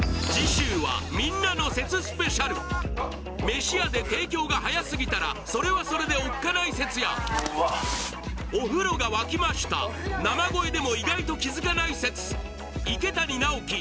めし屋で提供が早すぎたらそれはそれでおっかない説や「お風呂が沸きました」生声でも意外と気づかない説池谷直樹